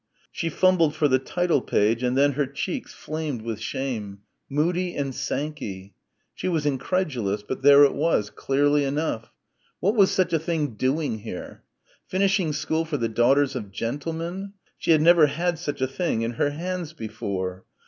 She fumbled for the title page and then her cheeks flamed with shame, "Moody and Sankey." She was incredulous, but there it was, clearly enough. What was such a thing doing here?... Finishing school for the daughters of gentlemen.... She had never had such a thing in her hands before....